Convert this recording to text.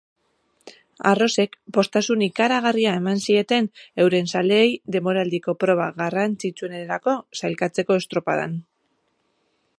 Arrosek poztasun ikaragarria eman zieten euren zaleei denboraldiko proba garrantzitsuenerako sailkatzeko estropadan.